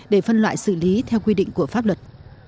để phân loại xử lý theo quy định của pháp luật